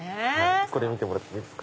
これ見てもらってもいいですか。